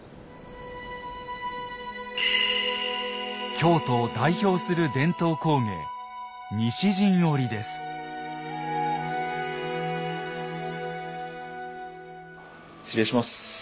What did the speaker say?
京都を代表する伝統工芸失礼します。